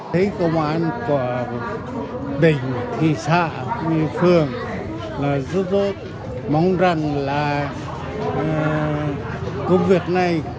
thấy công an của bình thị xã quỳnh phương rất rất mong rằng là công việc này